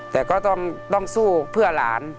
แต่ก็ต้องสู้เพื่อหลาน